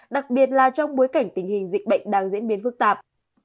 đặc biệt là trong bối cảnh tình hình dịch bệnh đang diễn biến phức tạp